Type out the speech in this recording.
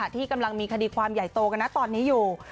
ที่กำลังมีคดีความใหญ่โตกันนะตอนนี้อยู่